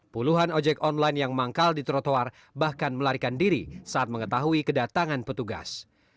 puluhan ojek online yang manggal di trotoar bahkan melarikan diri saat mengetahui kedatangan petugas